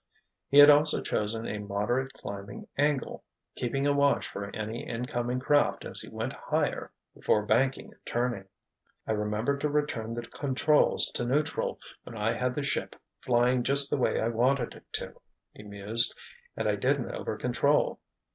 He had also chosen a moderate climbing angle, keeping a watch for any incoming craft as he went higher before banking and turning. "I remembered to return the controls to neutral when I had the ship flying just the way I wanted it to," he mused. "And I didn't over control.